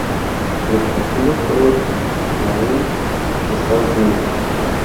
Los partidos fueron en Anaheim, Estados Unidos.